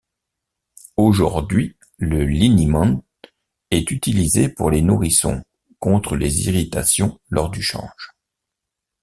Aujourd'hui le liniment est utilisé pour les nourrissons contre les irritations lors du change.